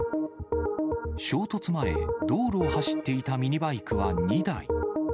衝突前、道路を走っていたミニバイクは２台。